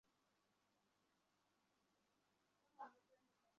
ভেগে পড়, রীড!